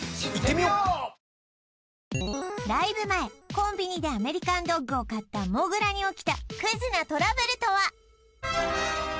コンビニでアメリカンドッグを買ったもぐらに起きたクズなトラブルとは？